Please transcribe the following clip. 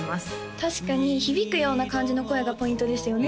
確かに響くような感じの声がポイントでしたよね